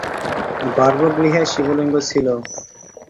গর্ভগৃহে শিবলিঙ্গ ছিল।